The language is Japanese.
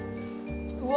うわ